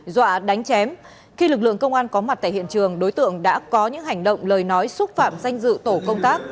dọa đánh chém khi lực lượng công an có mặt tại hiện trường đối tượng đã có những hành động lời nói xúc phạm danh dự tổ công tác